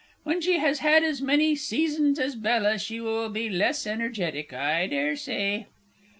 When she has had as many seasons as BELLA, she will be less energetic, I dare say.